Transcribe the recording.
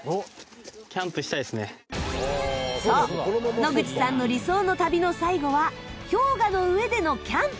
野口さんの理想の旅の最後は氷河の上でのキャンプ。